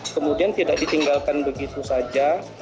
bukan ditinggalkan begitu saja